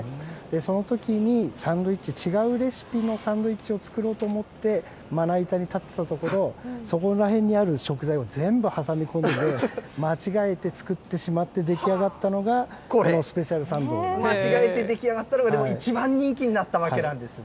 そのときにサンドウィッチ、違うレシピのサンドウィッチを作ろうと思って、まな板に立っていたところ、そこら辺にある食材を全部挟み込んで、間違えて作ってしまって出来上がったのが、このスペシャルサンド間違えて出来上がったのが、でも、一番人気になったわけですね。